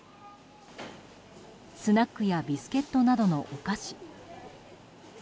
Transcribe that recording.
スナックやビスケットなどのお菓子。